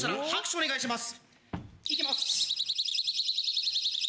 お願いします！